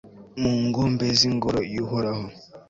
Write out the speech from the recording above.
mu ngombe z'ingoro y'uhoraho